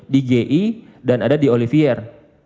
di ji dan ada di olivier